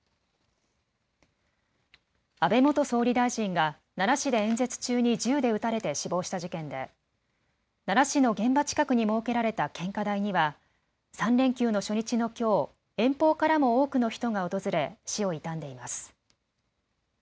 安倍元総理大臣が奈良市で演説中に銃で撃たれて死亡した事件で奈良市の現場近くに設けられた献花台には３連休の初日のきょう遠方からも多くの人が訪れ死を悼んでいます。